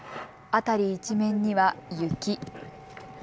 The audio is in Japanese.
辺り一面には雪。